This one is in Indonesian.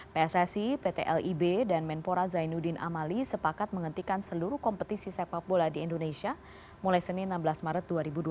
pssi pt lib dan menpora zainuddin amali sepakat menghentikan seluruh kompetisi sepak bola di indonesia mulai senin enam belas maret dua ribu dua puluh